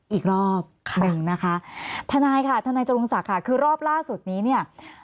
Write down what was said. อีกรอบหนึ่งนะคะทนายค่ะทนายจรุงศักดิ์ค่ะคือรอบล่าสุดนี้เนี่ย